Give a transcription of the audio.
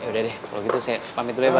udah deh kalau gitu saya pamit dulu ya pak